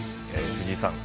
藤井さん